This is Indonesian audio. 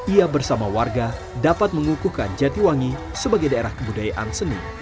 ia bersama warga dapat mengukuhkan jatiwangi sebagai daerah kebudayaan seni